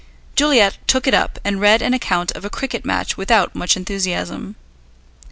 Juliet took it up and read an account of a cricket match without much enthusiasm.